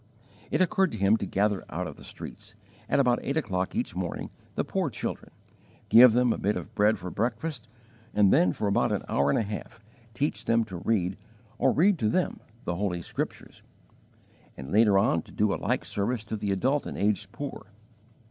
It occurred to him to gather out of the streets, at about eight o'clock each morning, the poor children, give them a bit of bread for breakfast, and then, for about an hour and a half, teach them to read or read to them the Holy Scriptures; and later on to do a like service to the adult and aged poor.